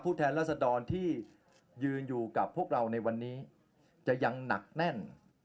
แทนรัศดรที่ยืนอยู่กับพวกเราในวันนี้จะยังหนักแน่น